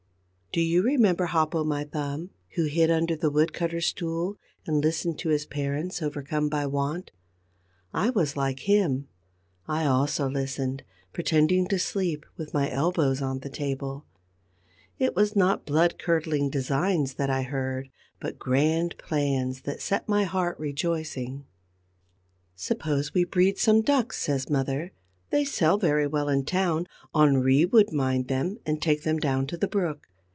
Do you remember Hop o' My Thumb, who hid under the wood cutter's stool and listened to his parents overcome by want? I was like him. I also listened, pretending to sleep, with my elbows on the table. It was not blood curdling designs that I heard but grand plans that set my heart rejoicing. "Suppose we breed some ducks," says mother. "They sell very well in town. Henri would mind them and take them down to the brook.